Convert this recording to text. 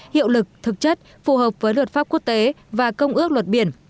hiệu lực thực chất phù hợp với luật pháp quốc tế và công ước luật biển